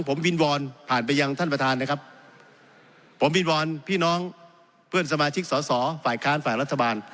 ผมวินวอนพี่น้องเพื่อนสมาชิกสอสอฝ่ายคลานฝ่ายรัฐบาล